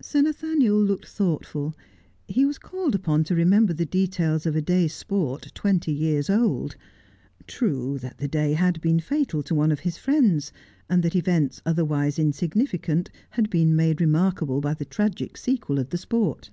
Sir Nathaniel looked thoughtful. He was called upon to remember the details of a day's sport twenty years old. True that the day had been fatal to one of his friends, and that events otherwise insignificant had been made remarkable by the tragic sequel of the sport.